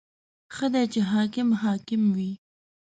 • ښه ده چې حاکم حاکم وي.